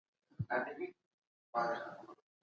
مرګ د روح د بېلېدو یو الهي قانون دی.